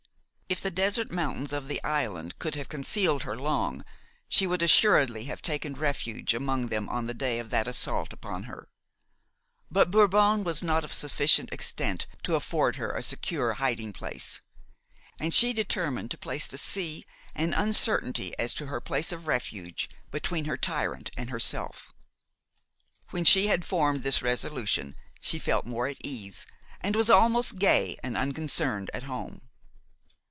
If the desert mountains of the island could have concealed her long, she would assuredly have taken refuge among them on the day of the assault upon her; but Bourbon was not of sufficient extent to afford her a secure hiding place, and she determined to place the sea and uncertainty as to her place of refuge between her tyrant and herself. When she had formed this resolution, she felt more at ease and was almost gay and unconcerned at home.